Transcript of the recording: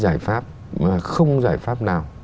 giải pháp mà không giải pháp nào